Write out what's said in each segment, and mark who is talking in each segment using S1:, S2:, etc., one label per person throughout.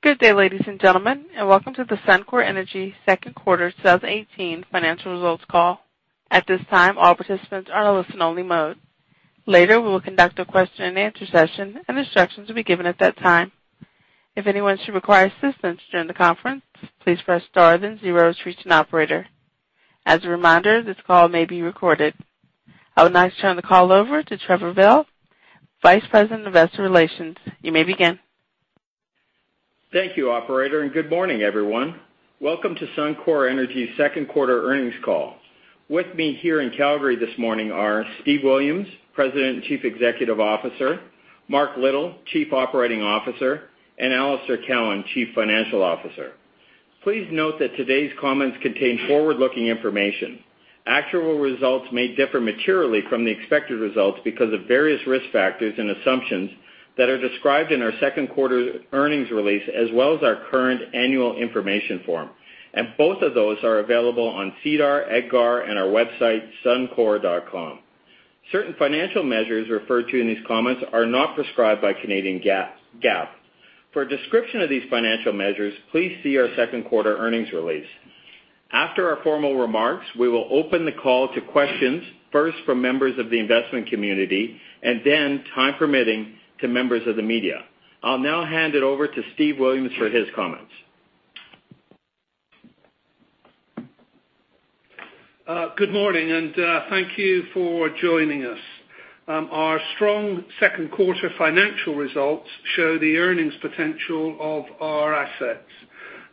S1: Good day, ladies and gentlemen, and welcome to the Suncor Energy second quarter 2018 financial results call. At this time, all participants are in listen only mode. Later, we will conduct a question and answer session, and instructions will be given at that time. If anyone should require assistance during the conference, please press star then zero to reach an operator. As a reminder, this call may be recorded. I would now turn the call over to Trevor Bell, Vice President of Investor Relations. You may begin.
S2: Thank you, operator, and good morning, everyone. Welcome to Suncor Energy second quarter earnings call. With me here in Calgary this morning are Steve Williams, President and Chief Executive Officer, Mark Little, Chief Operating Officer, and Alister Cowan, Chief Financial Officer. Please note that today's comments contain forward-looking information. Actual results may differ materially from the expected results because of various risk factors and assumptions that are described in our second quarter earnings release, as well as our current annual information form. Both of those are available on SEDAR, EDGAR, and our website, suncor.com. Certain financial measures referred to in these comments are not prescribed by Canadian GAAP. For a description of these financial measures, please see our second quarter earnings release. After our formal remarks, we will open the call to questions, first from members of the investment community, and then, time permitting, to members of the media. I'll now hand it over to Steve Williams for his comments.
S3: Good morning, and thank you for joining us. Our strong second quarter financial results show the earnings potential of our assets.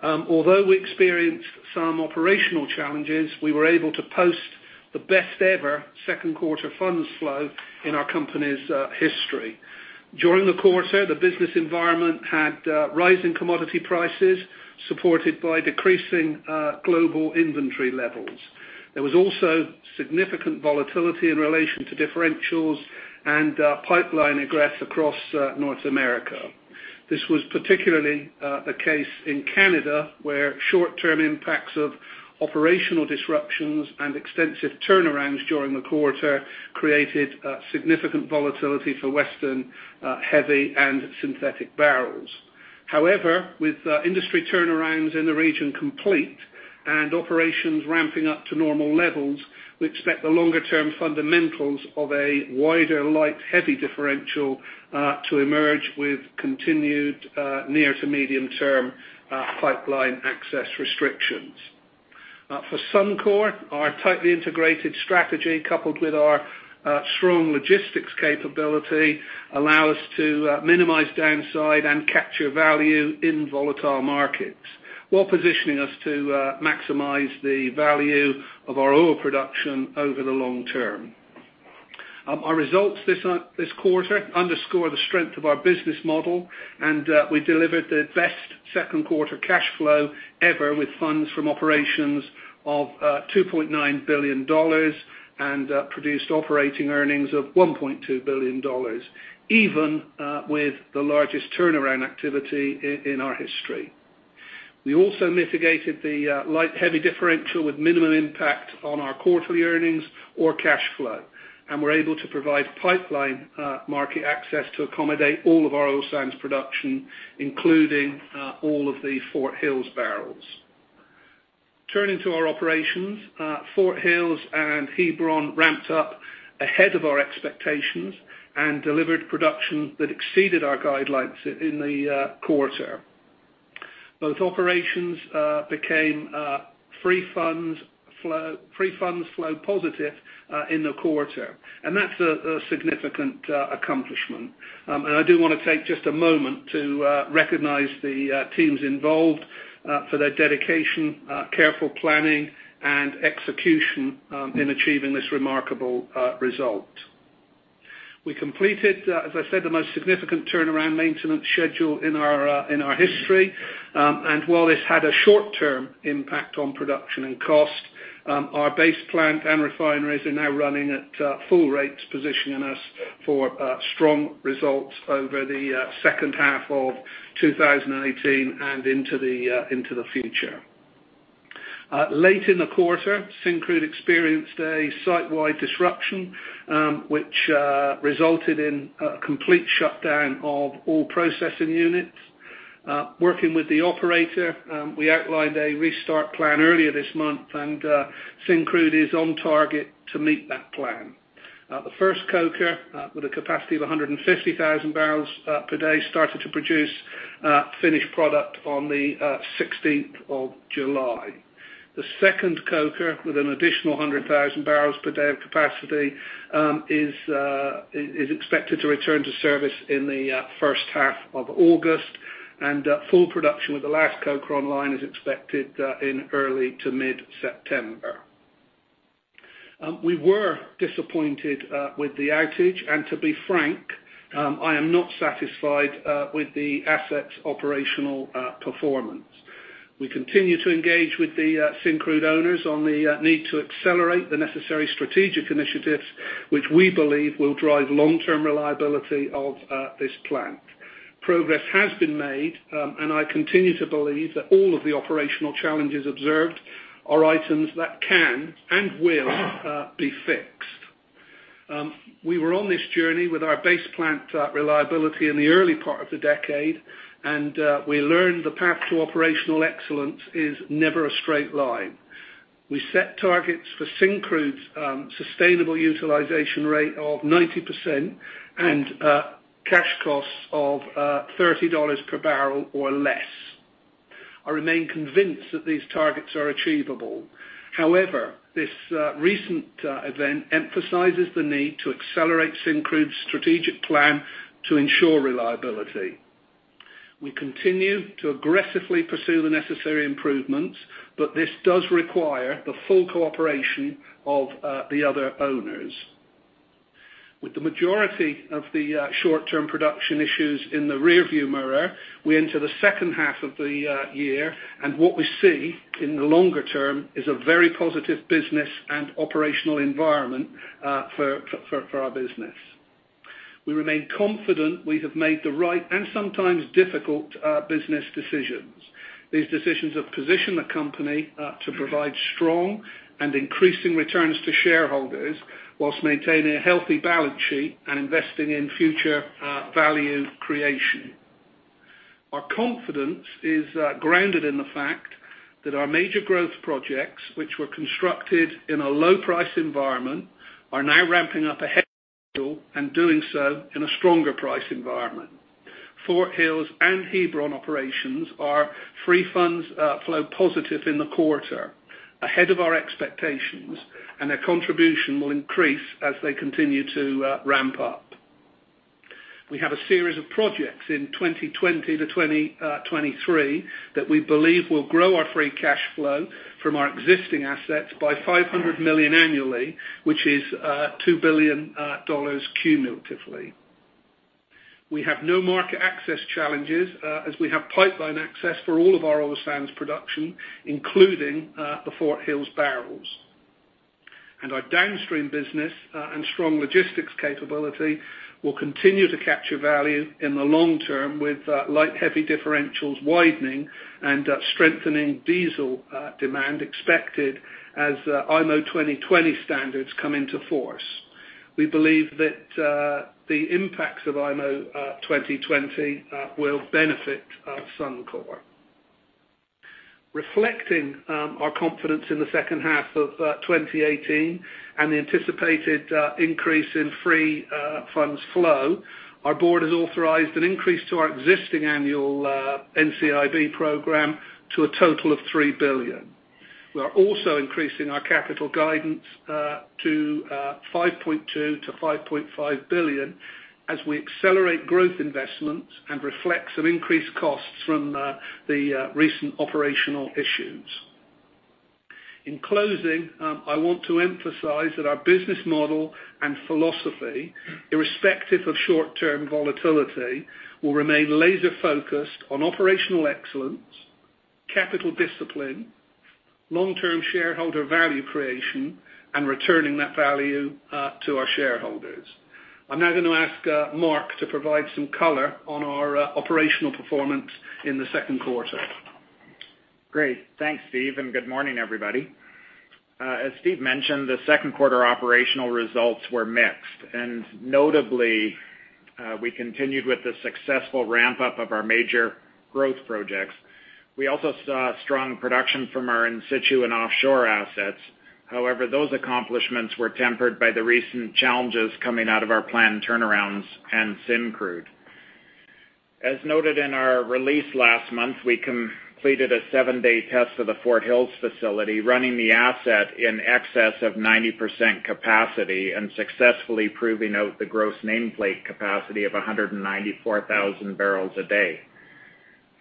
S3: Although we experienced some operational challenges, we were able to post the best-ever second quarter funds flow in our company's history. During the quarter, the business environment had rising commodity prices, supported by decreasing global inventory levels. There was also significant volatility in relation to differentials and pipeline egress across North America. This was particularly the case in Canada, where short-term impacts of operational disruptions and extensive turnarounds during the quarter created significant volatility for Western heavy and synthetic barrels. However, with industry turnarounds in the region complete and operations ramping up to normal levels, we expect the longer-term fundamentals of a wider light-heavy differential, to emerge with continued near to medium-term pipeline access restrictions. For Suncor, our tightly integrated strategy, coupled with our strong logistics capability, allow us to minimize downside and capture value in volatile markets, while positioning us to maximize the value of our oil production over the long term. Our results this quarter underscore the strength of our business model. We delivered the best second quarter cash flow ever with funds from operations of 2.9 billion dollars and produced operating earnings of 1.2 billion dollars, even with the largest turnaround activity in our history. We also mitigated the light-heavy differential with minimum impact on our quarterly earnings or cash flow. We were able to provide pipeline market access to accommodate all of our oil sands production, including all of the Fort Hills barrels. Turning to our operations, Fort Hills and Hebron ramped up ahead of our expectations and delivered production that exceeded our guidelines in the quarter. Both operations became free funds flow positive in the quarter. That is a significant accomplishment. I do want to take just a moment to recognize the teams involved for their dedication, careful planning, and execution in achieving this remarkable result. We completed, as I said, the most significant turnaround maintenance schedule in our history. While this had a short-term impact on production and cost, our base plant and refineries are now running at full rates, positioning us for strong results over the second half of 2018 and into the future. Late in the quarter, Syncrude experienced a site-wide disruption, which resulted in a complete shutdown of all processing units. Working with the operator, we outlined a restart plan earlier this month, and Syncrude is on target to meet that plan. The first coker with a capacity of 150,000 barrels per day, started to produce finished product on the 16th of July. The second coker, with an additional 100,000 barrels per day of capacity, is expected to return to service in the first half of August. Full production with the last coker online is expected in early to mid-September. We were disappointed with the outage. To be frank, I am not satisfied with the asset's operational performance. We continue to engage with the Syncrude owners on the need to accelerate the necessary strategic initiatives, which we believe will drive long-term reliability of this plant. Progress has been made. I continue to believe that all of the operational challenges observed are items that can and will be fixed. We were on this journey with our base plant reliability in the early part of the decade. We learned the path to operational excellence is never a straight line. We set targets for Syncrude's sustainable utilization rate of 90% and cash costs of 30 dollars per barrel or less. I remain convinced that these targets are achievable. However, this recent event emphasizes the need to accelerate Syncrude's strategic plan to ensure reliability. We continue to aggressively pursue the necessary improvements. This does require the full cooperation of the other owners. With the majority of the short-term production issues in the rearview mirror, we enter the second half of the year. What we see in the longer term is a very positive business and operational environment for our business. We remain confident we have made the right and sometimes difficult business decisions. These decisions have positioned the company to provide strong and increasing returns to shareholders while maintaining a healthy balance sheet and investing in future value creation. Our confidence is grounded in the fact that our major growth projects, which were constructed in a low-price environment, are now ramping up ahead of schedule and doing so in a stronger price environment. Fort Hills and Hebron operations are free funds flow positive in the quarter, ahead of our expectations, and their contribution will increase as they continue to ramp up. We have a series of projects in 2020-2023 that we believe will grow our free cash flow from our existing assets by 500 million annually, which is 2 billion dollars cumulatively. We have no market access challenges as we have pipeline access for all of our oil sands production, including the Fort Hills barrels. Our downstream business and strong logistics capability will continue to capture value in the long term with light-heavy differentials widening and strengthening diesel demand expected as IMO 2020 standards come into force. We believe that the impacts of IMO 2020 will benefit Suncor. Reflecting our confidence in the second half of 2018 and the anticipated increase in free funds flow, our board has authorized an increase to our existing annual NCIB program to a total of 3 billion. We are also increasing our capital guidance to 5.2 billion-5.5 billion as we accelerate growth investments and reflect some increased costs from the recent operational issues. In closing, I want to emphasize that our business model and philosophy, irrespective of short-term volatility, will remain laser-focused on operational excellence, capital discipline, long-term shareholder value creation, and returning that value to our shareholders. I'm now going to ask Mark to provide some color on our operational performance in the second quarter.
S4: Great. Thanks, Steve, good morning, everybody. As Steve mentioned, the second quarter operational results were mixed. Notably, we continued with the successful ramp-up of our major growth projects. We also saw strong production from our in-situ and offshore assets. However, those accomplishments were tempered by the recent challenges coming out of our planned turnarounds and Syncrude. As noted in our release last month, we completed a seven-day test of the Fort Hills facility, running the asset in excess of 90% capacity and successfully proving out the gross nameplate capacity of 194,000 barrels a day.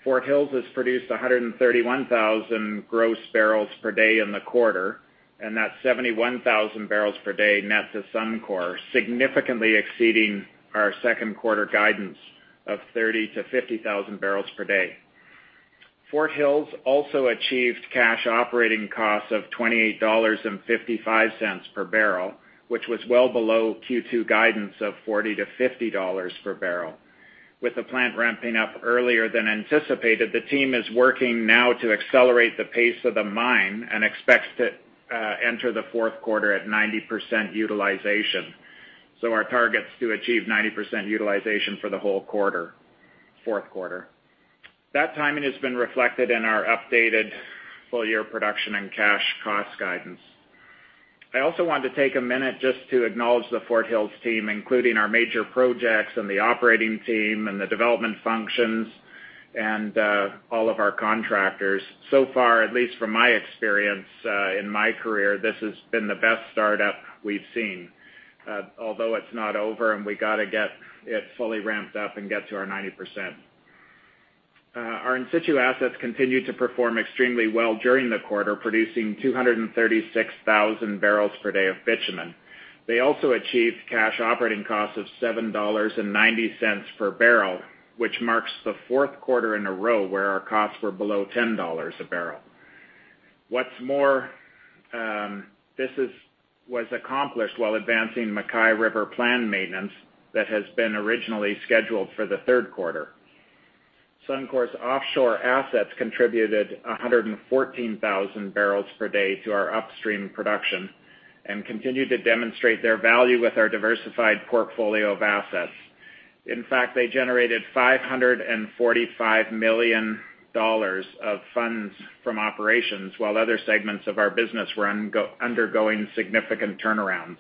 S4: Fort Hills has produced 131,000 gross barrels per day in the quarter, and that's 71,000 barrels per day net to Suncor, significantly exceeding our second quarter guidance of 30,000-50,000 barrels per day. Fort Hills also achieved cash operating costs of 28.55 dollars per barrel, which was well below Q2 guidance of 40-50 dollars per barrel. With the plant ramping up earlier than anticipated, the team is working now to accelerate the pace of the mine and expects to enter the fourth quarter at 90% utilization. Our target's to achieve 90% utilization for the whole quarter, fourth quarter. That timing has been reflected in our updated full-year production and cash cost guidance. I also wanted to take a minute just to acknowledge the Fort Hills team, including our major projects and the operating team and the development functions and all of our contractors. So far, at least from my experience in my career, this has been the best startup we've seen. Although it's not over, and we got to get it fully ramped up and get to our 90%. Our in-situ assets continued to perform extremely well during the quarter, producing 236,000 barrels per day of bitumen. They also achieved cash operating costs of 7.90 dollars per barrel, which marks the fourth quarter in a row where our costs were below 10 dollars a barrel. What's more, this was accomplished while advancing MacKay River plant maintenance that has been originally scheduled for the third quarter. Suncor's offshore assets contributed 114,000 barrels per day to our upstream production and continue to demonstrate their value with our diversified portfolio of assets. In fact, they generated 545 million dollars of funds from operations while other segments of our business were undergoing significant turnarounds.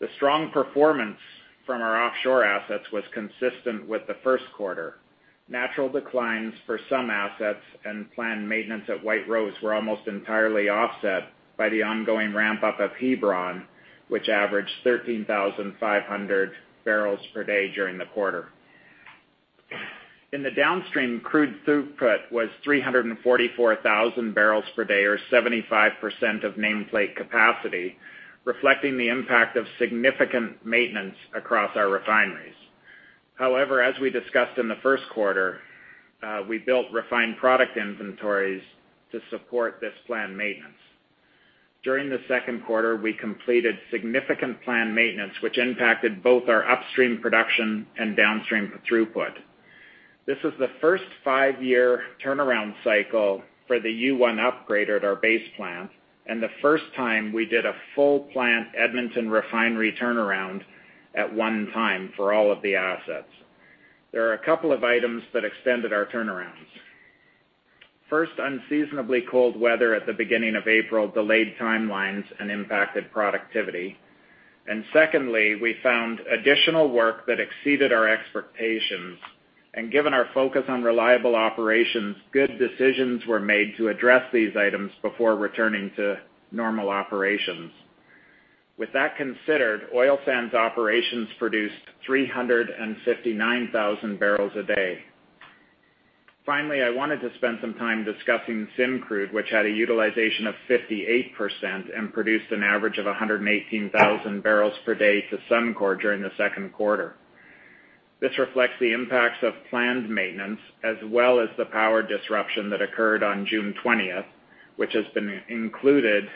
S4: The strong performance from our offshore assets was consistent with the first quarter. Natural declines for some assets and planned maintenance at White Rose were almost entirely offset by the ongoing ramp-up of Hebron, which averaged 13,500 barrels per day during the quarter. In the downstream, crude throughput was 344,000 barrels per day or 75% of nameplate capacity, reflecting the impact of significant maintenance across our refineries. However, as we discussed in the first quarter, we built refined product inventories to support this planned maintenance. During the second quarter, we completed significant planned maintenance, which impacted both our upstream production and downstream throughput. This is the first five-year turnaround cycle for the Upgrader 1 at our base plant, and the first time we did a full plant Edmonton refinery turnaround at one time for all of the assets. There are a couple of items that extended our turnarounds. First, unseasonably cold weather at the beginning of April delayed timelines and impacted productivity. Secondly, we found additional work that exceeded our expectations, and given our focus on reliable operations, good decisions were made to address these items before returning to normal operations. With that considered, oil sands operations produced 359,000 barrels a day. Finally, I wanted to spend some time discussing Syncrude, which had a utilization of 58% and produced an average of 118,000 barrels per day to Suncor during the second quarter. This reflects the impacts of planned maintenance as well as the power disruption that occurred on June 20th, which has been included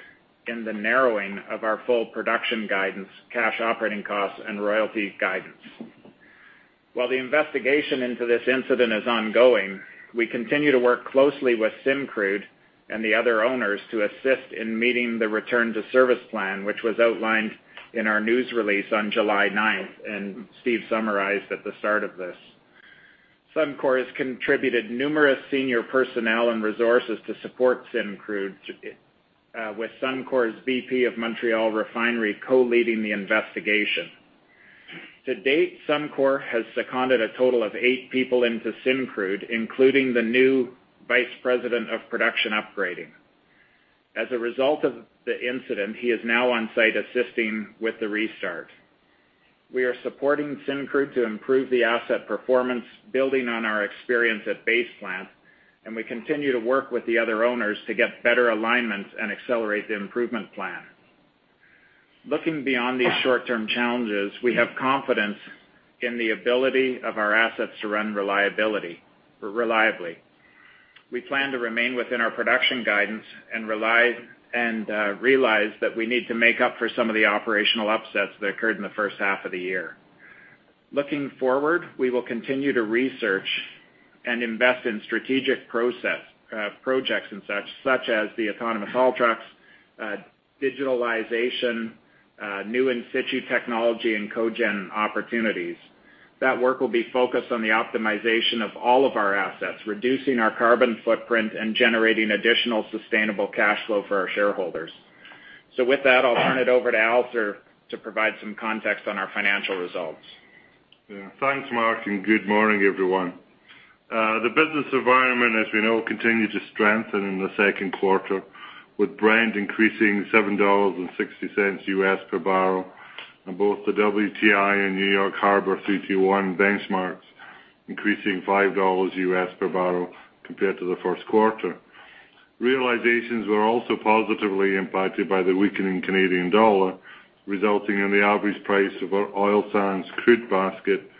S4: in the narrowing of our full production guidance, cash operating costs, and royalty guidance. While the investigation into this incident is ongoing, we continue to work closely with Syncrude and the other owners to assist in meeting the return to service plan, which was outlined in our news release on July 9th, and Steve summarized at the start of this. Suncor has contributed numerous senior personnel and resources to support Syncrude, with Suncor's VP of Montreal Refinery co-leading the investigation. To date, Suncor has seconded a total of eight people into Syncrude, including the new Vice President of Production Upgrading. As a result of the incident, he is now on-site assisting with the restart. We are supporting Syncrude to improve the asset performance, building on our experience at Base Plant, and we continue to work with the other owners to get better alignment and accelerate the improvement plan. Looking beyond these short-term challenges, we have confidence in the ability of our assets to run reliably. We plan to remain within our production guidance and realize that we need to make up for some of the operational upsets that occurred in the first half of the year. Looking forward, we will continue to research and invest in strategic projects such as the autonomous haul trucks, digitalization, new in-situ technology, and co-gen opportunities. That work will be focused on the optimization of all of our assets, reducing our carbon footprint and generating additional sustainable cash flow for our shareholders. With that, I'll turn it over to Alister to provide some context on our financial results.
S5: Thanks, Mark, and good morning, everyone. The business environment, as we know, continued to strengthen in the second quarter, with Brent increasing $7.60 U.S. per barrel and both the WTI and New York Harbor 3-2-1 benchmarks increasing $5 U.S. per barrel compared to the first quarter. Realizations were also positively impacted by the weakening Canadian dollar, resulting in the average price of our oil sands crude basket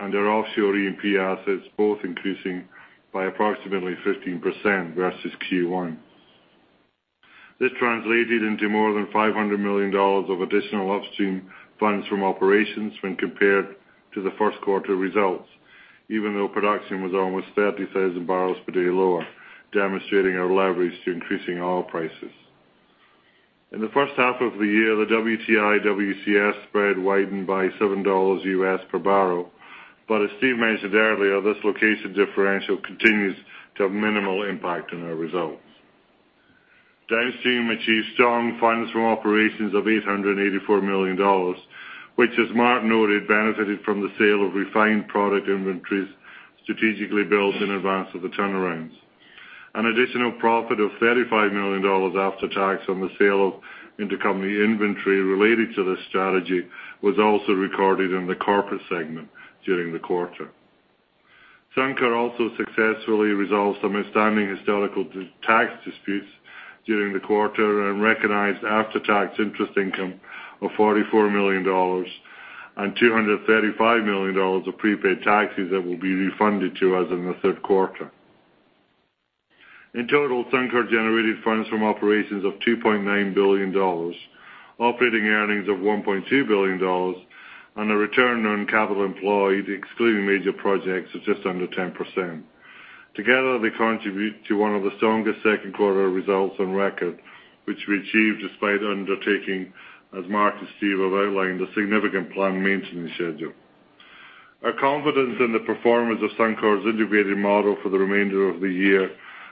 S5: and our offshore E&P assets both increasing by approximately 15% versus Q1. This translated into more than 500 million dollars of additional upstream funds from operations when compared to the first quarter results, even though production was almost 30,000 barrels per day lower, demonstrating our leverage to increasing oil prices. In the first half of the year, the WTI/WCS spread widened by $7 U.S. per barrel. As Steve mentioned earlier, this location differential continues to have minimal impact on our results. Downstream achieved strong funds from operations of 884 million dollars, which, as Mark noted, benefited from the sale of refined product inventories strategically built in advance of the turnarounds. An additional profit of 35 million dollars after tax on the sale of intercompany inventory related to this strategy was also recorded in the corporate segment during the quarter. Suncor also successfully resolved some outstanding historical tax disputes during the quarter and recognized after-tax interest income of 44 million dollars and 235 million dollars of prepaid taxes that will be refunded to us in the third quarter. In total, Suncor generated funds from operations of 2.9 billion dollars, operating earnings of 1.2 billion dollars, and a return on capital employed excluding major projects of just under 10%. Together, they contribute to one of the strongest second quarter results on record, which we achieved despite undertaking, as Mark and Steve have outlined, a significant planned maintenance schedule. Our confidence in the performance of Suncor's integrated model for the remainder of the year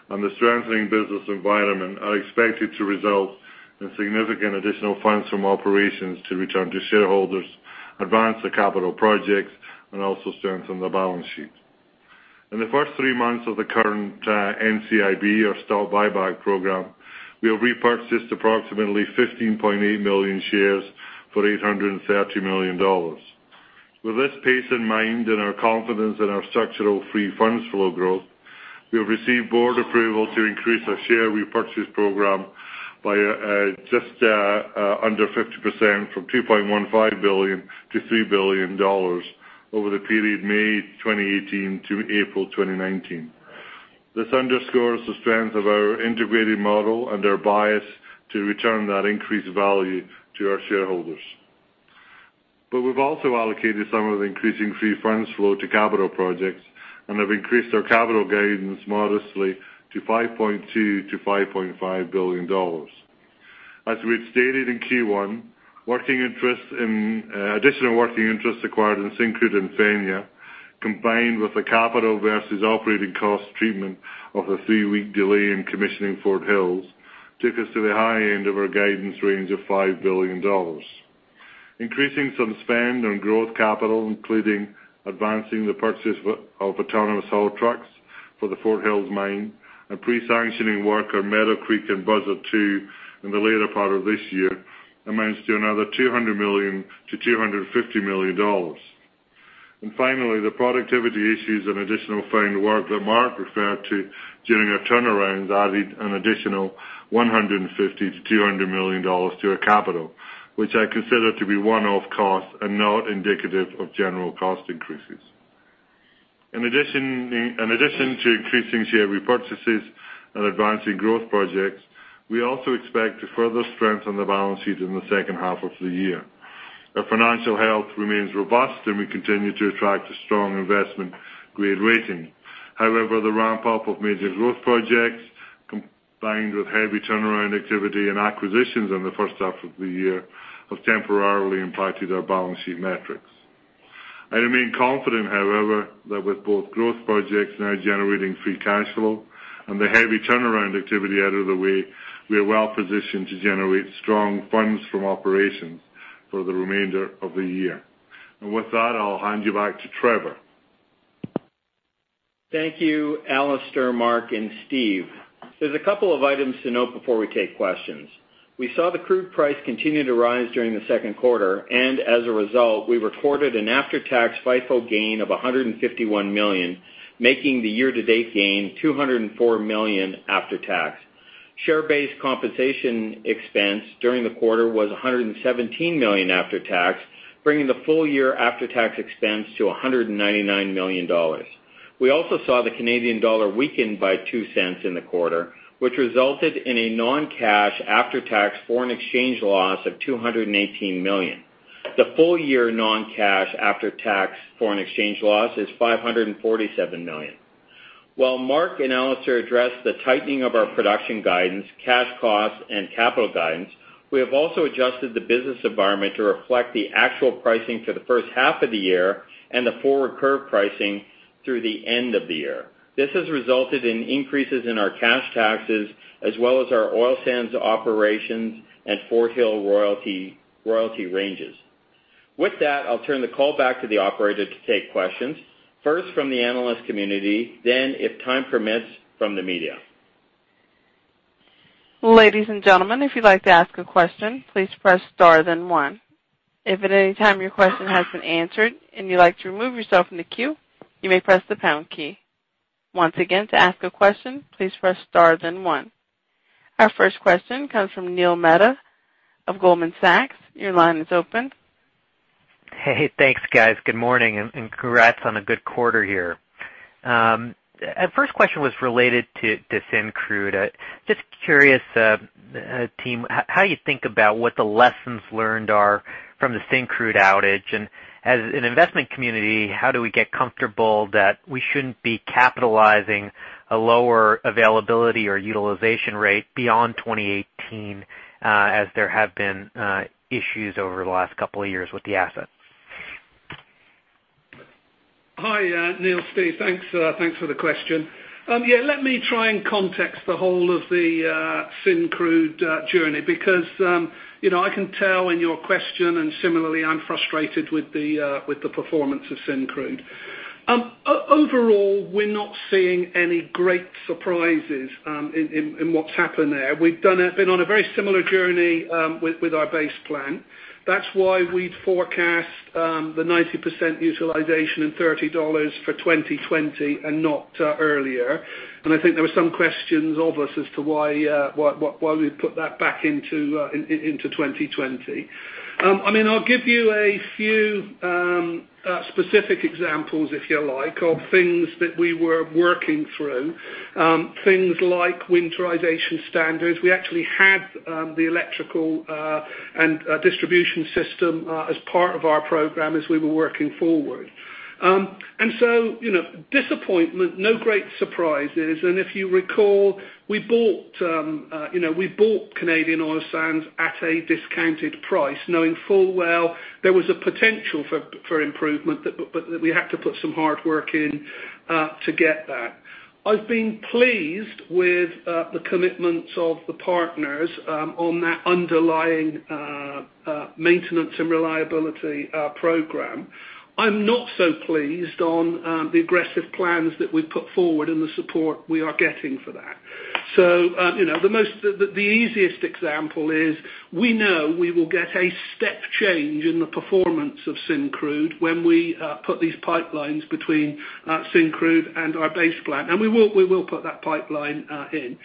S5: and the strengthening business environment are expected to result in significant additional funds from operations to return to shareholders, advance the capital projects, and also strengthen the balance sheet. In the first three months of the current NCIB, or stock buyback program, we have repurchased approximately 15.8 million shares for 830 million dollars. With this pace in mind and our confidence in our structural free funds flow growth, we have received board approval to increase our share repurchase program by just under 50%, from 2.15 billion to 3 billion dollars, over the period May 2018 to April 2019. This underscores the strength of our integrated model and our bias to return that increased value to our shareholders. We've also allocated some of the increasing free funds flow to capital projects and have increased our capital guidance modestly to 5.2 billion to 5.5 billion dollars. As we had stated in Q1, additional working interest acquired in Syncrude and Fenja, combined with the capital versus operating cost treatment of a three-week delay in commissioning Fort Hills, took us to the high end of our guidance range of 5 billion dollars. Increasing some spend on growth capital, including advancing the purchase of autonomous haul trucks for the Fort Hills mine and pre-sanctioning work on Meadow Creek and Buzzard 2 in the later part of this year, amounts to another 200 million to 250 million dollars. Finally, the productivity issues and additional found work that Mark referred to during our turnaround added an additional 150 million to 200 million dollars to our capital, which I consider to be one-off costs and not indicative of general cost increases. In addition to increasing share repurchases and advancing growth projects, we also expect to further strengthen the balance sheet in the second half of the year. Our financial health remains robust, and we continue to attract a strong investment-grade rating. However, the ramp-up of major growth projects, combined with heavy turnaround activity and acquisitions in the first half of the year, have temporarily impacted our balance sheet metrics. I remain confident, however, that with both growth projects now generating free cash flow and the heavy turnaround activity out of the way, we are well-positioned to generate strong funds from operations for the remainder of the year. With that, I'll hand you back to Trevor.
S2: Thank you, Alister, Mark, and Steve. There's a couple of items to note before we take questions. We saw the crude price continue to rise during the second quarter, and as a result, we recorded an after-tax FIFO gain of CAD 151 million, making the year-to-date gain CAD 204 million after tax. Share-based compensation expense during the quarter was CAD 117 million after tax, bringing the full year after-tax expense to CAD 199 million. We also saw the Canadian dollar weaken by 0.02 in the quarter, which resulted in a non-cash, after-tax foreign exchange loss of 218 million. The full-year non-cash, after-tax foreign exchange loss is 547 million. While Mark and Alister addressed the tightening of our production guidance, cash costs, and capital guidance, we have also adjusted the business environment to reflect the actual pricing for the first half of the year and the forward curve pricing through the end of the year. This has resulted in increases in our cash taxes, as well as our oil sands operations and Fort Hills royalty ranges. With that, I'll turn the call back to the operator to take questions, first from the analyst community, then if time permits, from the media.
S1: Ladies and gentlemen, if you'd like to ask a question, please press star then one. If at any time your question has been answered and you'd like to remove yourself from the queue, you may press the pound key. Once again, to ask a question, please press star then one. Our first question comes from Neil Mehta of Goldman Sachs. Your line is open.
S6: Hey, thanks, guys. Good morning, and congrats on a good quarter here. First question was related to Syncrude. Just curious, team, how you think about what the lessons learned are from the Syncrude outage. As an investment community, how do we get comfortable that we shouldn't be capitalizing a lower availability or utilization rate beyond 2018, as there have been issues over the last couple of years with the asset?
S3: Hi, Neil. Steve. Thanks for the question. Let me try and context the whole of the Syncrude journey because I can tell in your question, and similarly, I'm frustrated with the performance of Syncrude. Overall, we're not seeing any great surprises in what's happened there. We've been on a very similar journey with our Base Plant. That's why we'd forecast the 90% utilization and 30 dollars for 2020 and not earlier. I think there were some questions of us as to why we put that back into 2020. I'll give you a few specific examples, if you like, of things that we were working through. Things like winterization standards. We actually had the electrical and distribution system as part of our program as we were working forward. Disappointment, no great surprises. If you recall, we bought Canadian Oil Sands at a discounted price, knowing full well there was a potential for improvement, but that we had to put some hard work in to get that. I've been pleased with the commitments of the partners on that underlying maintenance and reliability program. I'm not so pleased on the aggressive plans that we've put forward and the support we are getting for that. The easiest example is we know we will get a step change in the performance of Syncrude when we put these pipelines between Syncrude and our Base Plant. We will put that pipeline in.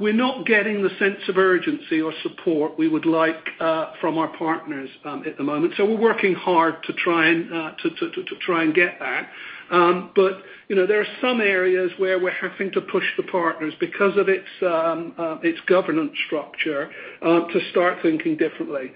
S3: We're not getting the sense of urgency or support we would like from our partners at the moment. We're working hard to try and get that. There are some areas where we're having to push the partners because of its governance structure, to start thinking differently.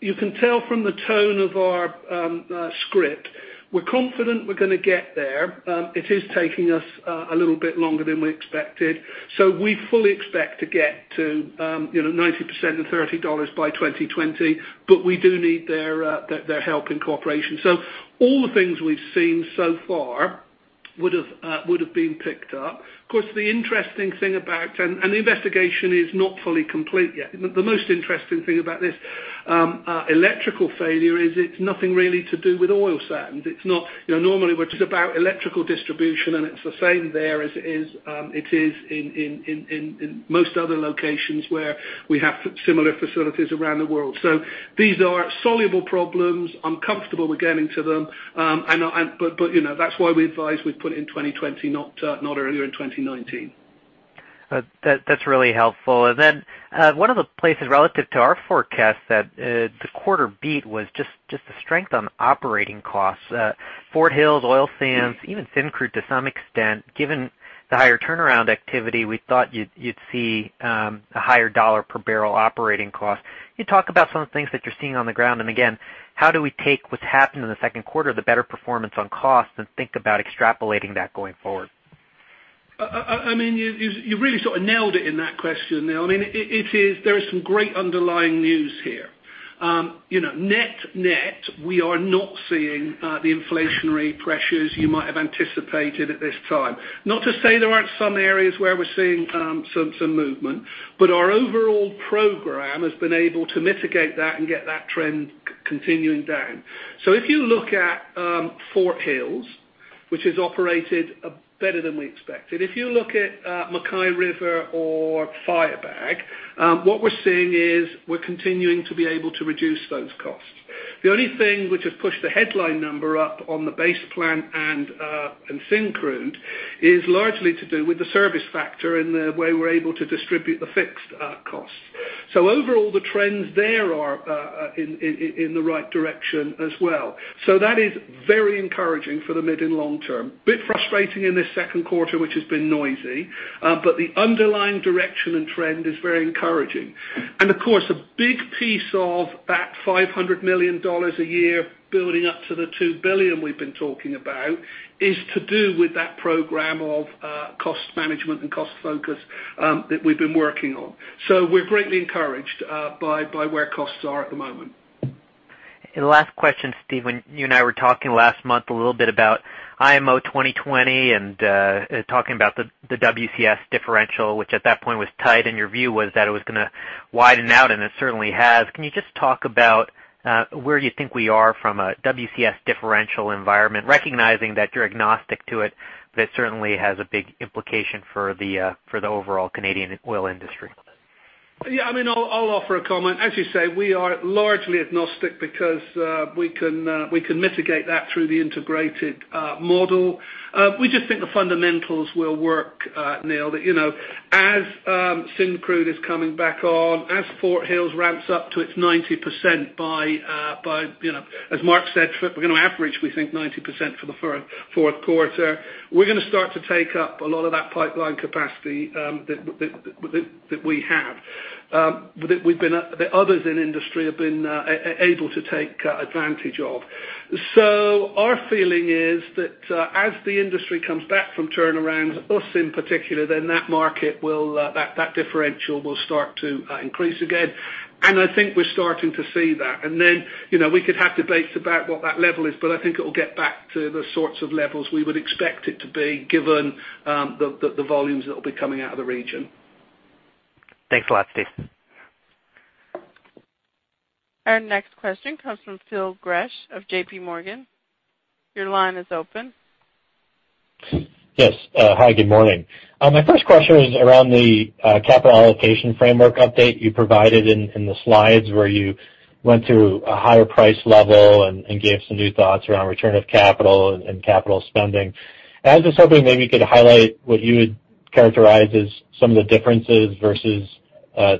S3: You can tell from the tone of our script, we're confident we're going to get there. It is taking us a little bit longer than we expected. We fully expect to get to 90% and 30 dollars by 2020, but we do need their help and cooperation. All the things we've seen so far would have been picked up. Of course, the interesting thing about the investigation is not fully complete yet. The most interesting thing about this electrical failure is it's nothing really to do with oil sands. Normally, which is about electrical distribution, and it's the same there as it is in most other locations where we have similar facilities around the world. These are soluble problems. I'm comfortable we're getting to them. That's why we advise we put it in 2020, not earlier in 2019.
S6: That's really helpful. One of the places relative to our forecast that the quarter beat was just the strength on operating costs. Fort Hills, Oil Sands, even Syncrude to some extent, given the higher turnaround activity, we thought you'd see a higher CAD per barrel operating cost. Can you talk about some of the things that you're seeing on the ground? Again, how do we take what's happened in the second quarter, the better performance on cost, and think about extrapolating that going forward?
S3: You really sort of nailed it in that question, Neil. There is some great underlying news here. Net-net, we are not seeing the inflationary pressures you might have anticipated at this time. Not to say there aren't some areas where we're seeing some movement, but our overall program has been able to mitigate that and get that trend continuing down. If you look at Fort Hills, which has operated better than we expected, if you look at MacKay River or Firebag, what we're seeing is we're continuing to be able to reduce those costs. The only thing which has pushed the headline number up on the Base Plant and Syncrude is largely to do with the service factor and the way we're able to distribute the fixed costs. Overall, the trends there are in the right direction as well. That is very encouraging for the mid and long term. Bit frustrating in this second quarter, which has been noisy. The underlying direction and trend is very encouraging. Of course, a big piece of that 500 million dollars a year building up to the 2 billion we've been talking about is to do with that program of cost management and cost focus that we've been working on. We're greatly encouraged by where costs are at the moment.
S6: Last question, Steve, when you and I were talking last month a little bit about IMO 2020 and talking about the WCS differential, which at that point was tight, and your view was that it was going to widen out, and it certainly has. Can you just talk about where you think we are from a WCS differential environment, recognizing that you're agnostic to it, but it certainly has a big implication for the overall Canadian oil industry?
S3: I'll offer a comment. As you say, we are largely agnostic because we can mitigate that through the integrated model. We just think the fundamentals will work, Neil, that as Syncrude is coming back on, as Fort Hills ramps up to its 90% by, as Mark said, we're going to average, we think, 90% for the fourth quarter. We're going to start to take up a lot of that pipeline capacity that we have, that others in the industry have been able to take advantage of. Our feeling is that as the industry comes back from turnarounds, us in particular, that differential will start to increase again. I think we're starting to see that. We could have debates about what that level is, I think it will get back to the sorts of levels we would expect it to be, given the volumes that will be coming out of the region.
S6: Thanks a lot, Steve.
S1: Our next question comes from Phil Gresh of J.P. Morgan. Your line is open.
S7: Yes. Hi, good morning. My first question is around the capital allocation framework update you provided in the slides where you went to a higher price level and gave some new thoughts around return of capital and capital spending. I was just hoping maybe you could highlight what you would characterize some of the differences versus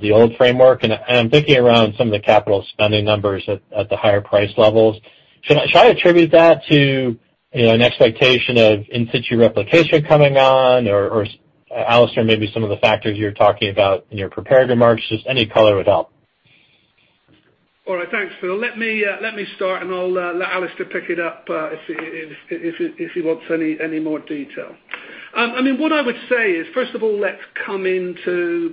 S7: the old framework. I'm thinking around some of the capital spending numbers at the higher price levels. Should I attribute that to an expectation of in-situ replication coming on? Alister, maybe some of the factors you're talking about in your prepared remarks, just any color would help.
S3: All right. Thanks, Phil. Let me start. I'll let Alister pick it up if he wants any more detail. What I would say is, first of all, let's come into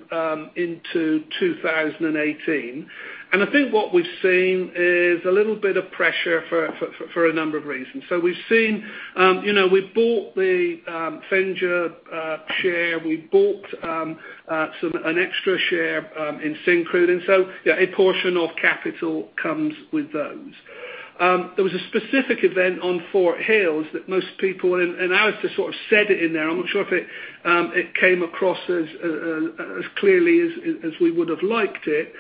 S3: 2018. I think what we've seen is a little bit of pressure for a number of reasons. We've bought the Fenja share, we bought an extra share in Syncrude, a portion of capital comes with those. There was a specific event on Fort Hills that most people. Alister sort of said it in there. I'm not sure if it came across as clearly as we would have liked it.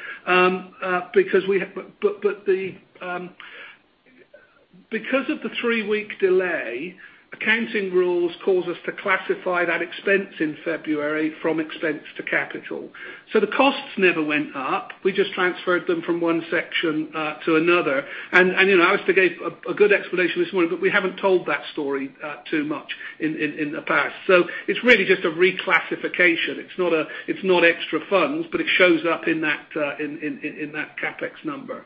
S3: Because of the three-week delay, accounting rules cause us to classify that expense in February from expense to capital. The costs never went up. We just transferred them from one section to another. Alister gave a good explanation this morning. We haven't told that story too much in the past. It's really just a reclassification. It's not extra funds, it shows up in that CapEx number.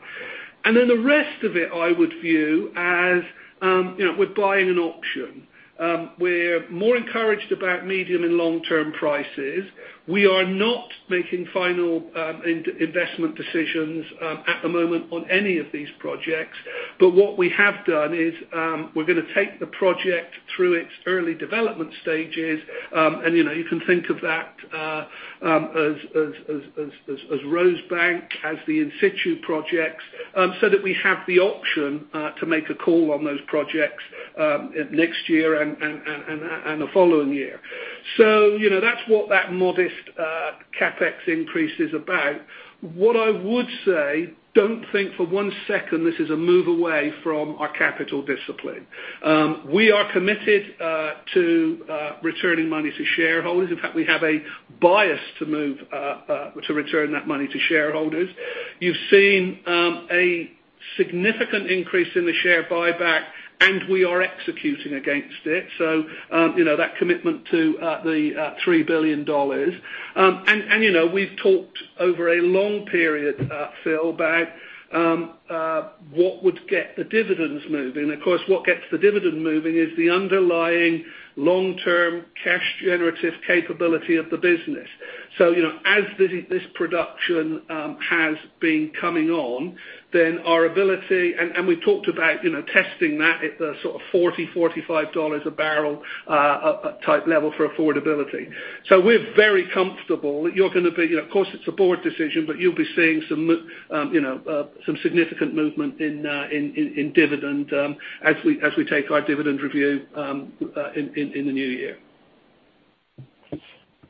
S3: The rest of it, I would view as we're buying an option. We're more encouraged about medium and long-term prices. We are not making final investment decisions at the moment on any of these projects. What we have done is we're going to take the project through its early development stages. You can think of that as Rosebank, as the in-situ projects, so that we have the option to make a call on those projects next year and the following year. That's what that modest CapEx increase is about. What I would say, don't think for one second this is a move away from our capital discipline. We are committed to returning money to shareholders. In fact, we have a bias to return that money to shareholders. You've seen a significant increase in the share buyback, we are executing against it. That commitment to the 3 billion dollars. We've talked over a long period, Phil, about what would get the dividends moving. Of course, what gets the dividend moving is the underlying long-term cash generative capability of the business. As this production has been coming on, then we talked about testing that at the sort of 40, 45 dollars a barrel type level for affordability. We're very comfortable that, of course, it's a board decision, but you'll be seeing some significant movement in dividend as we take our dividend review in the new year.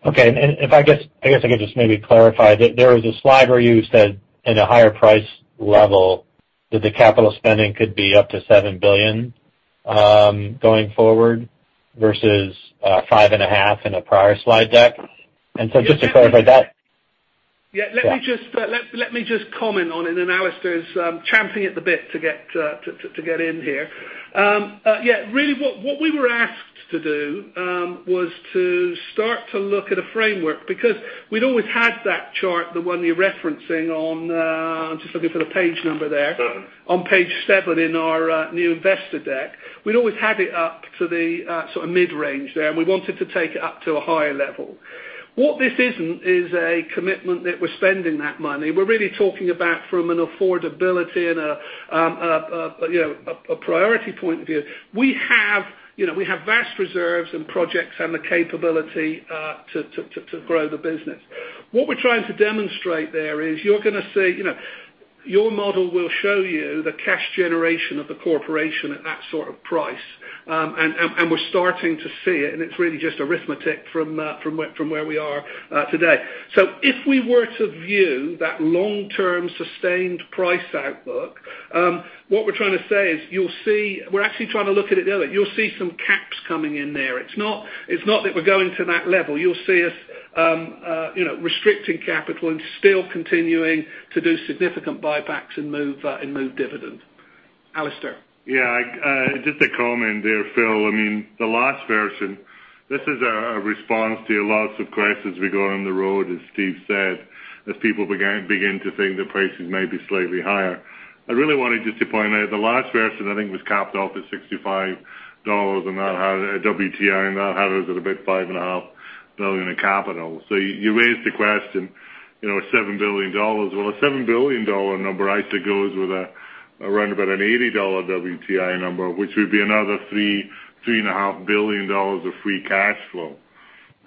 S7: Okay. I guess I could just maybe clarify that there was a slide where you said at a higher price level that the capital spending could be up to 7 billion going forward versus five and a half billion in a prior slide deck. Just to clarify that.
S3: Let me just comment on it, and Alister's champing at the bit to get in here. Really, what we were asked to do was to start to look at a framework, because we'd always had that chart, the one you're referencing on, I'm just looking for the page number there. On page seven in our new investor deck. We'd always had it up to the sort of mid-range there, and we wanted to take it up to a higher level. What this isn't is a commitment that we're spending that money. We're really talking about from an affordability and a priority point of view. We have vast reserves and projects and the capability to grow the business. What we're trying to demonstrate there is your model will show you the cash generation of the corporation at that sort of price. We're starting to see it, and it's really just arithmetic from where we are today. If we were to view that long-term sustained price outlook, what we're trying to say is we're actually trying to look at it the other way. You'll see some caps coming in there. It's not that we're going to that level. You'll see us restricting capital and still continuing to do significant buybacks and move dividend. Alister.
S5: Just to comment there, Phil Gresh. The last version, this is a response to lots of questions we got on the road, as Steve Williams said, as people begin to think that prices may be slightly higher. I really want to just point out the last version, I think, was capped off at CAD 65 WTI, and that had us at about 5.5 billion in capital. You raised the question, 7 billion dollars. A 7 billion dollar number, I'd say, goes with around about a 80 dollar WTI number, which would be another 3 billion-3.5 billion dollars of free cash flow.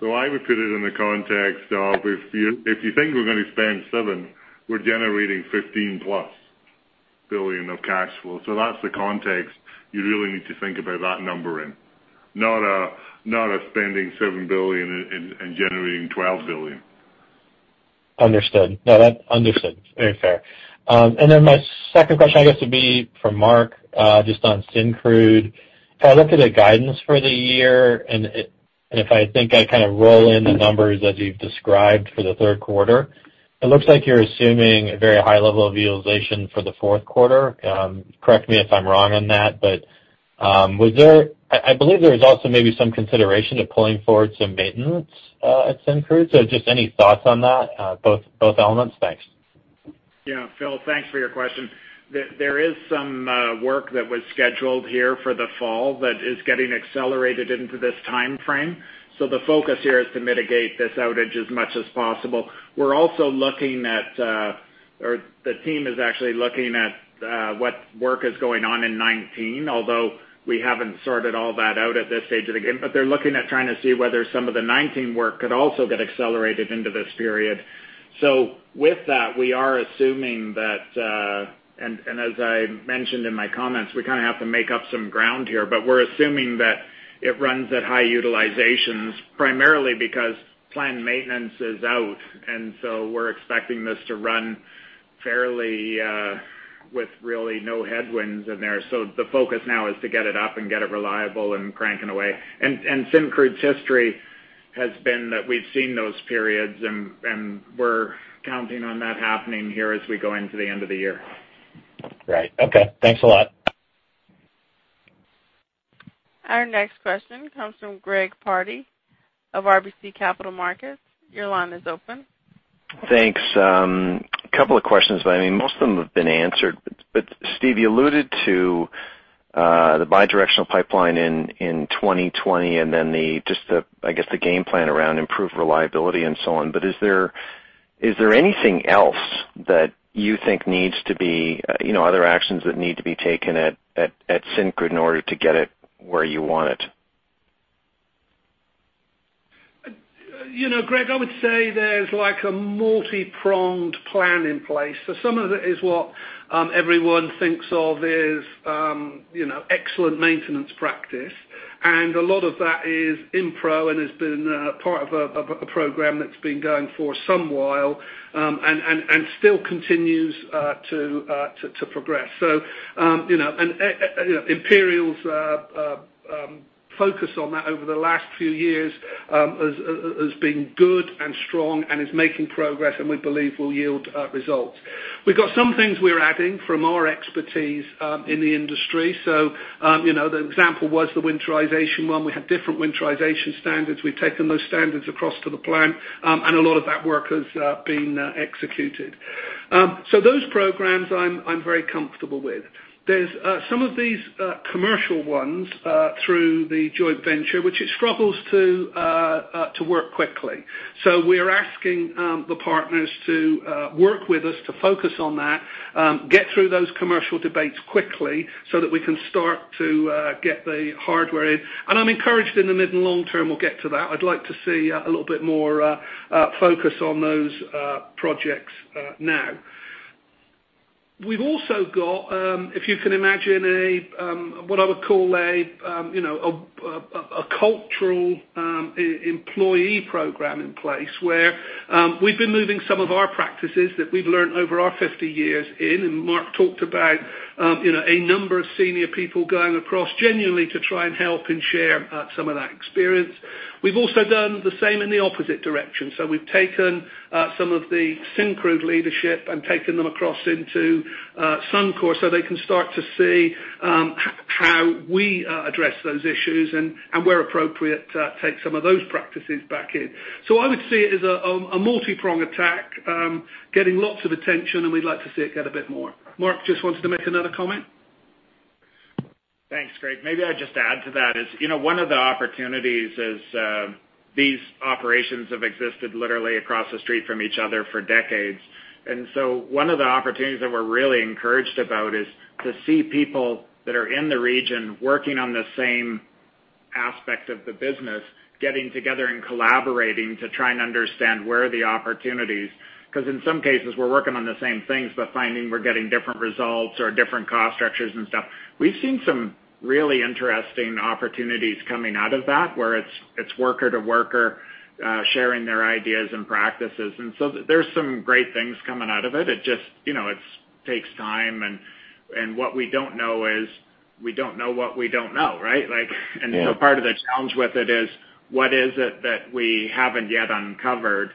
S5: I would put it in the context of, if you think we're going to spend 7 billion, we're generating 15-plus billion of cash flow. That's the context you'd really need to think about that number in. Not a spending 7 billion and generating 12 billion.
S7: Understood. That's understood. Very fair. My second question, I guess, would be for Mark Little, just on Syncrude. If I look at the guidance for the year, and if I think I roll in the numbers as you've described for the third quarter, it looks like you're assuming a very high level of utilization for the fourth quarter. Correct me if I'm wrong on that, but I believe there was also maybe some consideration of pulling forward some maintenance at Syncrude. Just any thoughts on that, both elements? Thanks.
S4: Phil Gresh, thanks for your question. There is some work that was scheduled here for the fall that is getting accelerated into this timeframe. The focus here is to mitigate this outage as much as possible. We're also looking at or the team is actually looking at what work is going on in 2019, although we haven't sorted all that out at this stage of the game. They're looking at trying to see whether some of the 2019 work could also get accelerated into this period. With that, we are assuming that, and as I mentioned in my comments, we have to make up some ground here. We're assuming that it runs at high utilizations, primarily because planned maintenance is out. We're expecting this to run fairly with really no headwinds in there. The focus now is to get it up and get it reliable and cranking away. Syncrude's history has been that we've seen those periods, and we're counting on that happening here as we go into the end of the year.
S7: Right. Okay. Thanks a lot.
S1: Our next question comes from Greg Pardy of RBC Capital Markets. Your line is open.
S8: Thanks. Most of them have been answered. Steve, you alluded to the bi-directional pipeline in 2020 and then just, I guess, the game plan around improved reliability and so on. Is there anything else that you think other actions that need to be taken at Syncrude in order to get it where you want it?
S3: Greg, I would say there's a multi-pronged plan in place. Some of it is what everyone thinks of as excellent maintenance practice. A lot of that is in progress and has been part of a program that's been going for some while, and still continues to progress. Imperial's focus on that over the last few years has been good and strong and is making progress, and we believe will yield results. We've got some things we're adding from our expertise in the industry. The example was the winterization one. We had different winterization standards. We've taken those standards across to the plant, and a lot of that work has been executed. Those programs I'm very comfortable with. There's some of these commercial ones through the joint venture, which it struggles to work quickly. We're asking the partners to work with us to focus on that, get through those commercial debates quickly so that we can start to get the hardware in. I'm encouraged in the mid- and long-term we'll get to that. I'd like to see a little bit more focus on those projects now. We've also got, if you can imagine what I would call a cultural employee program in place, where we've been moving some of our practices that we've learned over our 50 years in, and Mark talked about a number of senior people going across genuinely to try and help and share some of that experience. We've also done the same in the opposite direction. We've taken some of the Syncrude leadership and taken them across into Suncor so they can start to see how we address those issues and where appropriate, take some of those practices back in. I would see it as a multi-prong attack, getting lots of attention, and we'd like to see it get a bit more. Mark just wanted to make another comment.
S4: Thanks, Greg. Maybe I'd just add to that is, one of the opportunities is these operations have existed literally across the street from each other for decades. One of the opportunities that we're really encouraged about is to see people that are in the region working on the same aspect of the business, getting together and collaborating to try and understand where are the opportunities. In some cases, we're working on the same things, but finding we're getting different results or different cost structures and stuff. We've seen some really interesting opportunities coming out of that, where it's worker to worker sharing their ideas and practices. There's some great things coming out of it. It just takes time, and what we don't know is we don't know what we don't know, right?
S8: Yeah.
S4: Part of the challenge with it is what is it that we haven't yet uncovered?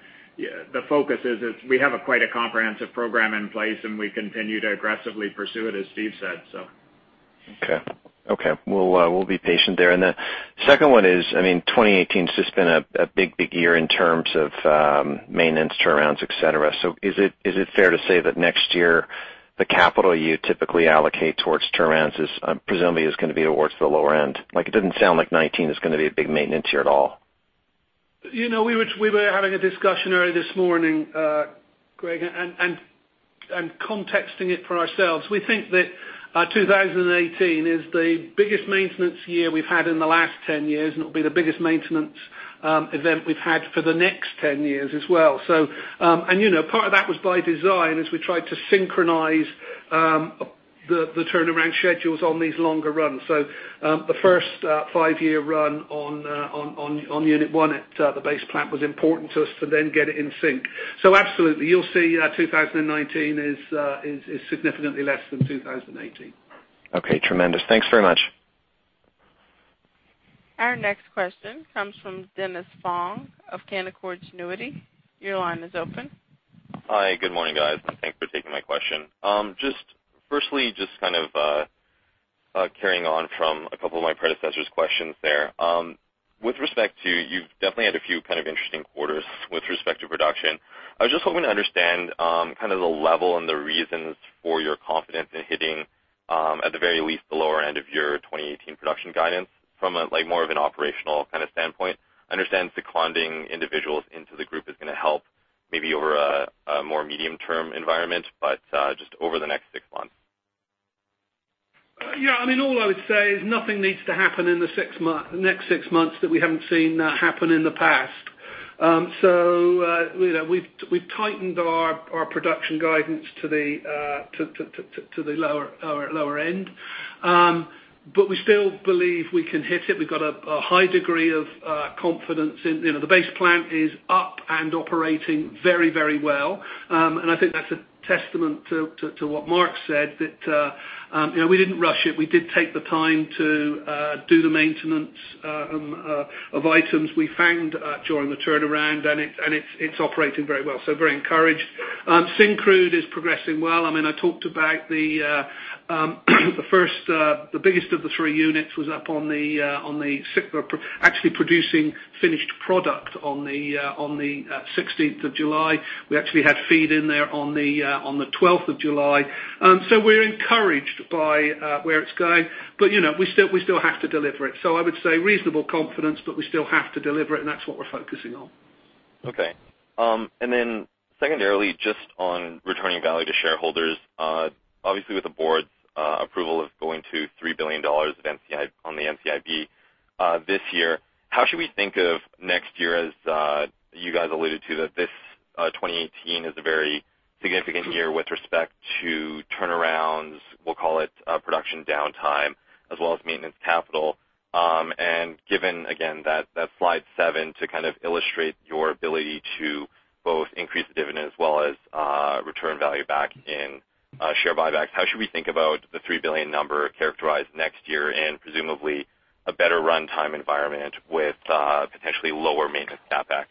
S4: The focus is we have quite a comprehensive program in place, and we continue to aggressively pursue it, as Steve said.
S8: Okay. We'll be patient there. The second one is, 2018's just been a big year in terms of maintenance turnarounds, et cetera. Is it fair to say that next year the capital you typically allocate towards turnarounds presumably is going to be towards the lower end? It doesn't sound like 2019 is going to be a big maintenance year at all.
S3: We were having a discussion earlier this morning, Greg, contexting it for ourselves. We think that 2018 is the biggest maintenance year we've had in the last 10 years, and it'll be the biggest maintenance event we've had for the next 10 years as well. Part of that was by design as we tried to synchronize the turnaround schedules on these longer runs. The first five-year run on unit 1 at the Base Plant was important to us to then get it in sync. Absolutely, you'll see 2019 is significantly less than 2018.
S8: Okay, tremendous. Thanks very much.
S1: Our next question comes from Dennis Fong of Canaccord Genuity. Your line is open.
S9: Hi. Good morning, guys. Thanks for taking my question. Firstly, just carrying on from a couple of my predecessors' questions there. You've definitely had a few interesting quarters with respect to production. I was just hoping to understand the level and the reasons for your confidence in hitting, at the very least, the lower end of your 2018 production guidance from more of an operational standpoint. I understand seconding individuals into the group is going to help, maybe over a more medium-term environment, but just over the next six months.
S3: Yeah. All I would say is nothing needs to happen in the next six months that we haven't seen happen in the past. We've tightened our production guidance to the lower end. We still believe we can hit it. We've got a high degree of confidence. The Base Plant is up and operating very well. I think that's a testament to what Mark said, that we didn't rush it. We did take the time to do the maintenance of items we found during the turnaround, and it's operating very well. Very encouraged. Syncrude is progressing well. I talked about the biggest of the three units was up on the sixth. We're actually producing finished product on the 16th of July. We actually had feed in there on the 12th of July. We're encouraged by where it's going. We still have to deliver it. I would say reasonable confidence, but we still have to deliver it, and that's what we're focusing on.
S9: Okay. Then secondarily, just on returning value to shareholders. Obviously, with the board's approval of going to 3 billion dollars on the NCIB this year, how should we think of next year as you guys alluded to, that this 2018 is a very significant year with respect to turnarounds, we'll call it production downtime, as well as maintenance capital. Given, again, that slide seven to illustrate your ability to both increase the dividend as well as return value back in share buybacks. How should we think about the 3 billion number characterized next year and presumably a better runtime environment with potentially lower maintenance CapEx?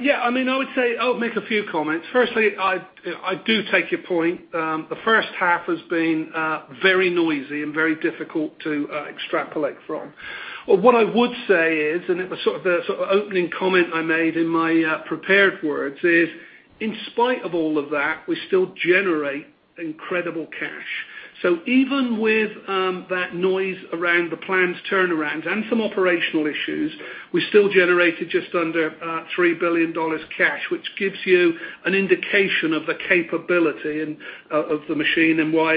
S3: Yeah. I would make a few comments. Firstly, I do take your point. The first half has been very noisy and very difficult to extrapolate from. What I would say is, and it was sort of the opening comment I made in my prepared words is, in spite of all of that, we still generate incredible cash. Even with that noise around the plant's turnarounds and some operational issues, we still generated just under 3 billion dollars cash, which gives you an indication of the capability of the machine and why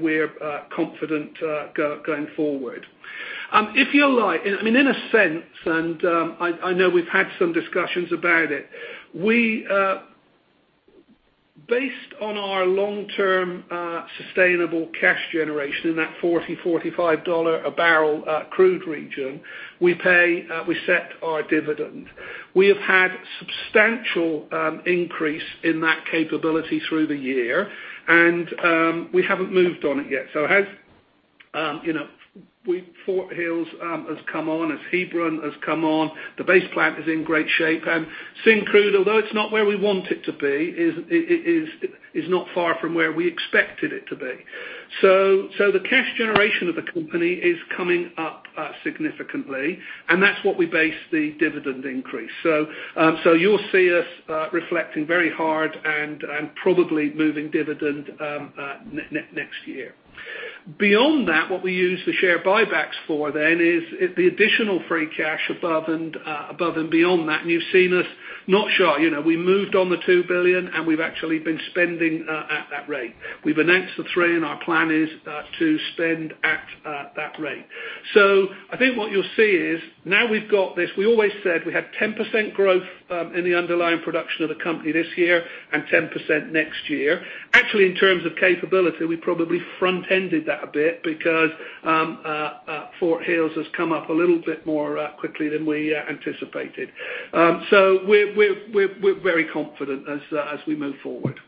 S3: we're confident going forward. If you like, in a sense, and I know we've had some discussions about it, based on our long-term sustainable cash generation in that 40-45 dollar a barrel crude region, we set our dividend. We have had substantial increase in that capability through the year, and we haven't moved on it yet. Fort Hills has come on, Hebron has come on. The Base Plant is in great shape, and Syncrude, although it's not where we want it to be, is not far from where we expected it to be. The cash generation of the company is coming up significantly, and that's what we base the dividend increase. You'll see us reflecting very hard and probably moving dividend next year. Beyond that, what we use the share buybacks for then is the additional free cash above and beyond that. You've seen us not sure. We moved on the 2 billion, and we've actually been spending at that rate. We've announced the 3 billion, and our plan is to spend at that rate. I think what you'll see is now we've got this. We always said we had 10% growth in the underlying production of the company this year and 10% next year. Actually, in terms of capability, we probably front-ended that a bit because Fort Hills has come up a little bit more quickly than we anticipated. We're very confident as we move forward.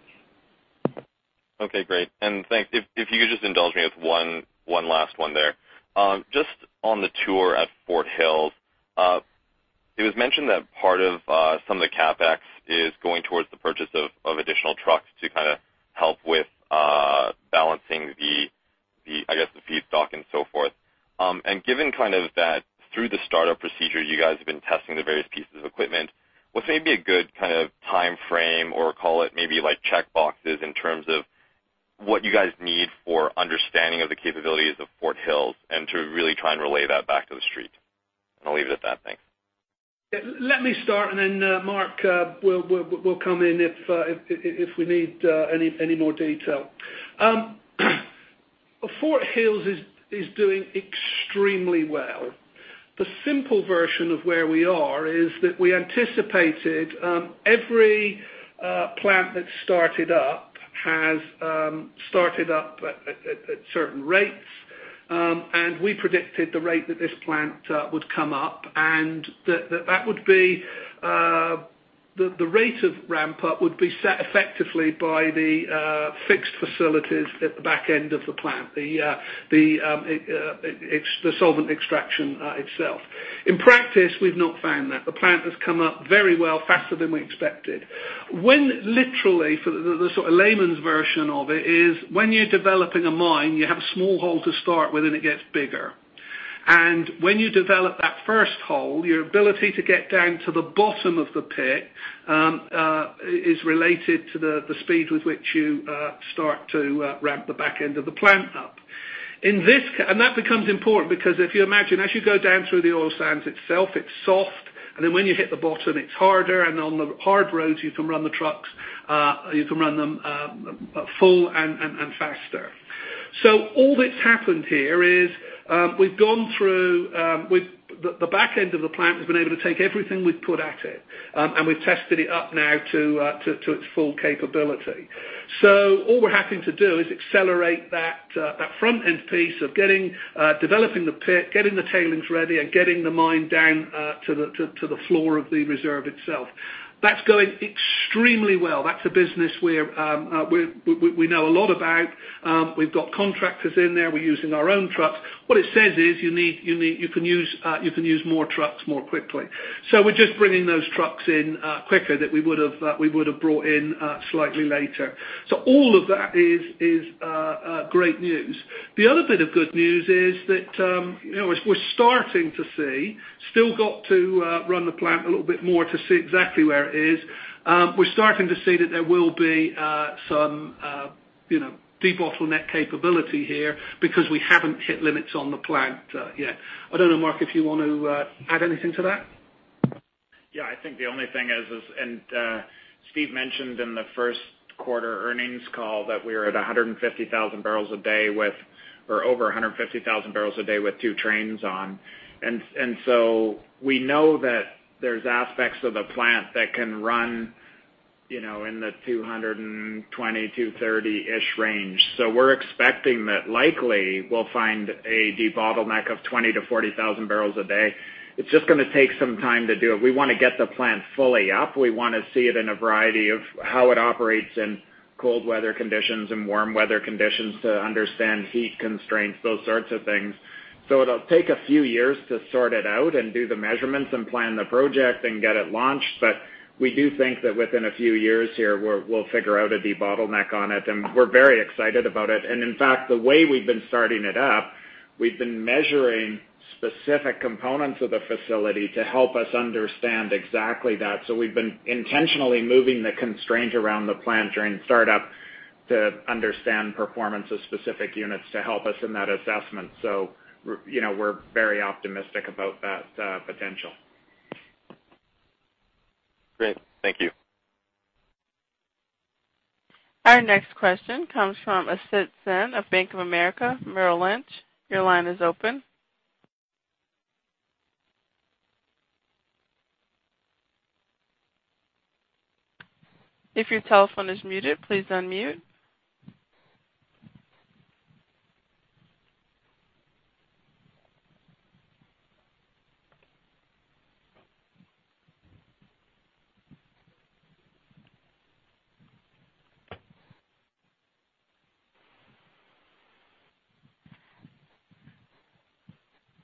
S9: Okay, great. Thanks. If you could just indulge me with one last one there. Just on the tour at Fort Hills. It was mentioned that part of some of the CapEx is going towards the purchase of additional trucks to help with balancing the, I guess, the feedstock and so forth. Given that through the startup procedure, you guys have been testing the various pieces of equipment, what's maybe a good timeframe, or call it maybe checkboxes, in terms of what you guys need for understanding of the capabilities of Fort Hills and to really try and relay that back to the street? I'll leave it at that. Thanks.
S3: Let me start. Mark will come in if we need any more detail. Fort Hills is doing extremely well. The simple version of where we are is that we anticipated every plant that started up has started up at certain rates. We predicted the rate that this plant would come up, and that the rate of ramp-up would be set effectively by the fixed facilities at the back end of the plant, the solvent extraction itself. In practice, we've not found that. The plant has come up very well, faster than we expected. Literally, the sort of layman's version of it is when you're developing a mine, you have a small hole to start with, and it gets bigger. When you develop that first hole, your ability to get down to the bottom of the pit is related to the speed with which you start to ramp the back end of the plant up. That becomes important because if you imagine, as you go down through the oil sands itself, it's soft. Then when you hit the bottom, it's harder. On the hard roads, you can run the trucks full and faster. All that's happened here is the back end of the plant has been able to take everything we've put at it. We've tested it up now to its full capability. All we're having to do is accelerate that front-end piece of developing the pit, getting the tailings ready, and getting the mine down to the floor of the reserve itself. That's going extremely well. That's a business we know a lot about. We've got contractors in there. We're using our own trucks. What it says is you can use more trucks more quickly. We're just bringing those trucks in quicker that we would've brought in slightly later. All of that is great news. The other bit of good news is that we're starting to see, still got to run the plant a little bit more to see exactly where it is. We're starting to see that there will be some debottleneck capability here because we haven't hit limits on the plant yet. I don't know, Mark, if you want to add anything to that.
S4: Yeah, I think the only thing is, Steve mentioned in the first quarter earnings call that we are at over 150,000 barrels a day with two trains on. We know that there's aspects of the plant that can run in the 220, 230-ish range. We're expecting that likely we'll find a debottleneck of 20,000 to 40,000 barrels a day. It's just going to take some time to do it. We want to get the plant fully up. We want to see it in a variety of how it operates in cold weather conditions and warm weather conditions to understand heat constraints, those sorts of things. It'll take a few years to sort it out and do the measurements and plan the project and get it launched. We do think that within a few years here, we'll figure out a debottleneck on it, and we're very excited about it. In fact, the way we've been starting it up, we've been measuring specific components of the facility to help us understand exactly that. We've been intentionally moving the constraints around the plant during startup to understand performance of specific units to help us in that assessment. We're very optimistic about that potential.
S9: Great. Thank you.
S1: Our next question comes from Asit Sen of Bank of America Merrill Lynch. Your line is open. If your telephone is muted, please unmute.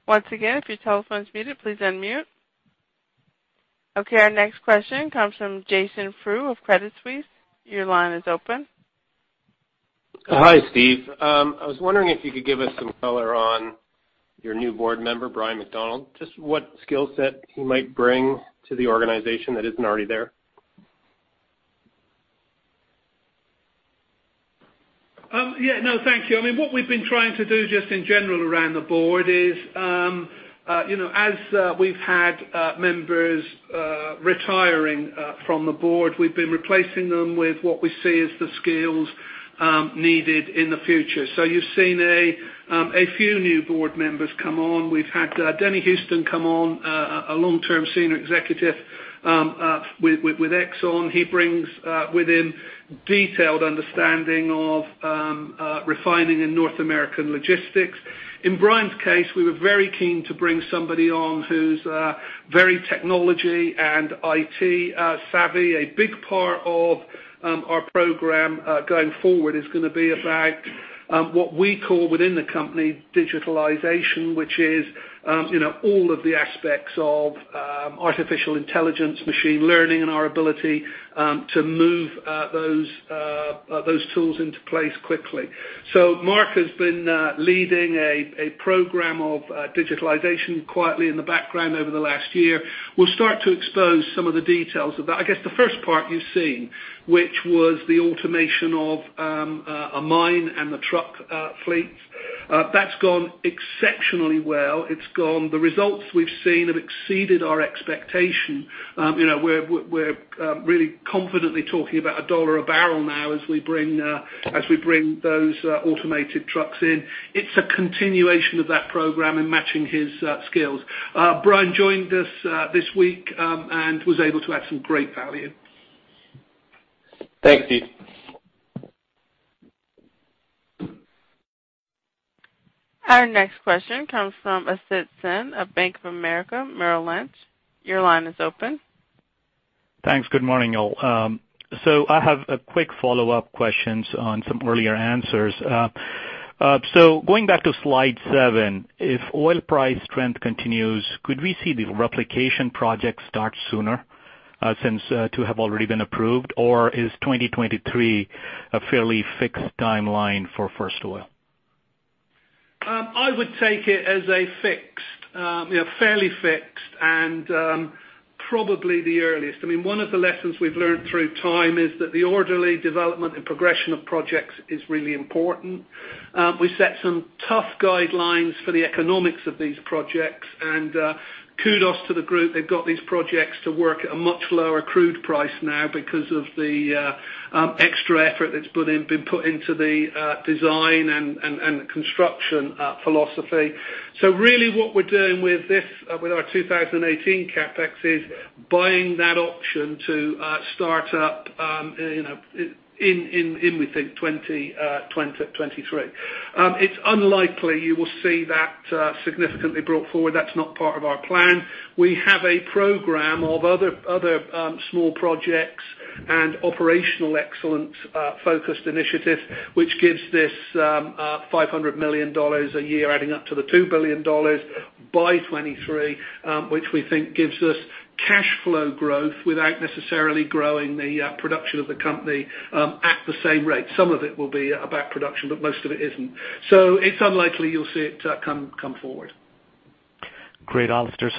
S1: Once again, if your telephone is muted, please unmute. Our next question comes from Jason Grew of Credit Suisse. Your line is open.
S10: Hi, Steve. I was wondering if you could give us some color on your new board member, Brian MacDonald, just what skill set he might bring to the organization that isn't already there.
S3: Thank you. What we've been trying to do just in general around the board is as we've had members retiring from the board, we've been replacing them with what we see as the skills needed in the future. You've seen a few new board members come on. We've had Dennis Houston come on, a long-term senior executive with Exxon. He brings with him detailed understanding of refining in North American logistics. In Brian's case, we were very keen to bring somebody on who's very technology and IT savvy. A big part of our program going forward is going to be about what we call within the company digitalization, which is all of the aspects of artificial intelligence, machine learning, and our ability to move those tools into place quickly. Mark has been leading a program of digitalization quietly in the background over the last year. We'll start to expose some of the details of that. I guess the first part you've seen, which was the automation of a mine and the truck fleet. That's gone exceptionally well. The results we've seen have exceeded our expectation. We're really confidently talking about CAD 1 a barrel now as we bring those automated trucks in. It's a continuation of that program and matching his skills. Brian joined us this week and was able to add some great value.
S10: Thank you.
S1: Our next question comes from Asit Sen of Bank of America Merrill Lynch. Your line is open.
S11: Thanks. Good morning, all. I have a quick follow-up questions on some earlier answers. Going back to slide seven, if oil price trend continues, could we see the replication project start sooner since two have already been approved, or is 2023 a fairly fixed timeline for first oil?
S3: I would take it as fairly fixed and probably the earliest. One of the lessons we've learned through time is that the orderly development and progression of projects is really important. We set some tough guidelines for the economics of these projects, and kudos to the group. They've got these projects to work at a much lower crude price now because of the extra effort that's been put into the design and construction philosophy. Really what we're doing with our 2018 CapEx is buying that option to start up in, we think, 2023. It's unlikely you will see that significantly brought forward. That's not part of our plan. We have a program of other small projects and operational excellence-focused initiatives, which gives this 500 million dollars a year, adding up to the 2 billion dollars by 2023, which we think gives us cash flow growth without necessarily growing the production of the company at the same rate. Some of it will be about production, but most of it isn't. It's unlikely you'll see it come forward.
S11: Great, Alister.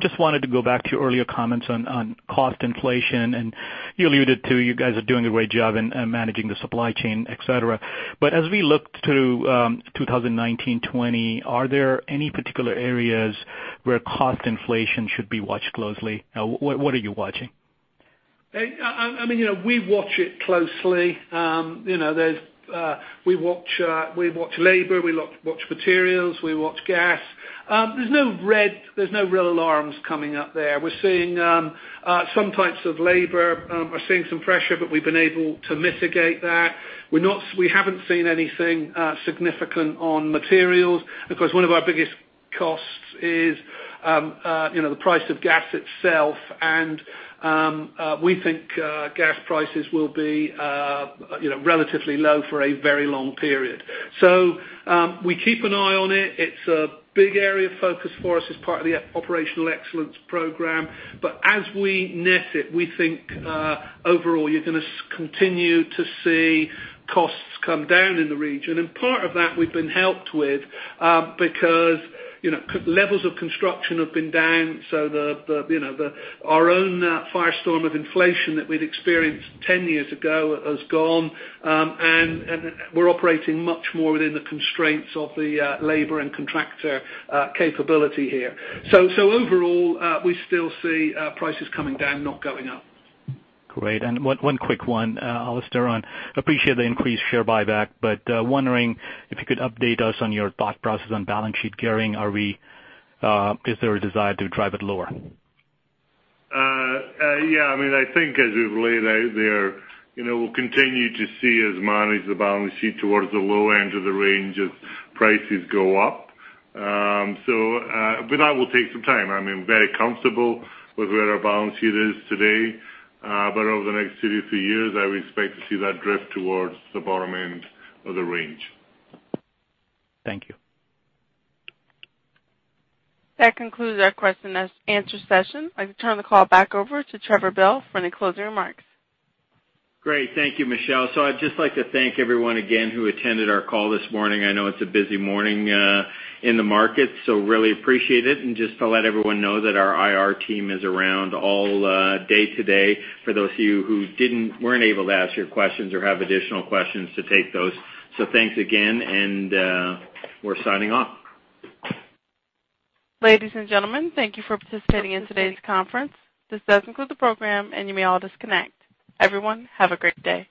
S11: Just wanted to go back to your earlier comments on cost inflation, you alluded to you guys are doing a great job in managing the supply chain, et cetera. As we look to 2019-2020, are there any particular areas where cost inflation should be watched closely? What are you watching?
S3: We watch it closely. We watch labor, we watch materials, we watch gas. There's no real alarms coming up there. We're seeing some types of labor are seeing some pressure, but we've been able to mitigate that. We haven't seen anything significant on materials. Of course, one of our biggest costs is the price of gas itself. We think gas prices will be relatively low for a very long period. We keep an eye on it. It's a big area of focus for us as part of the Operational Excellence program. As we net it, we think overall you're going to continue to see costs come down in the region. Part of that we've been helped with because levels of construction have been down. Our own firestorm of inflation that we'd experienced 10 years ago has gone, and we're operating much more within the constraints of the labor and contractor capability here. Overall, we still see prices coming down, not going up.
S11: Great. One quick one, Alister. Appreciate the increased share buyback, but wondering if you could update us on your thought process on balance sheet gearing. Is there a desire to drive it lower?
S5: Yeah. I think as we've laid out there, we'll continue to see us manage the balance sheet towards the low end of the range as prices go up. That will take some time. I'm very comfortable with where our balance sheet is today. Over the next two to three years, I would expect to see that drift towards the bottom end of the range.
S11: Thank you.
S1: That concludes our question and answer session. I turn the call back over to Trevor Bell for any closing remarks.
S2: Great. Thank you, Michelle. I'd just like to thank everyone again who attended our call this morning. I know it's a busy morning in the market, really appreciate it. Just to let everyone know that our IR team is around all day today for those of you who weren't able to ask your questions or have additional questions to take those. Thanks again, and we're signing off.
S1: Ladies and gentlemen, thank you for participating in today's conference. This does conclude the program, and you may all disconnect. Everyone, have a great day.